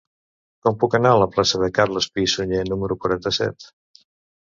Com puc anar a la plaça de Carles Pi i Sunyer número quaranta-set?